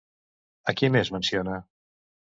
A qui més menciona?